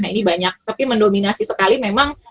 nah ini banyak tapi mendominasi sekali memang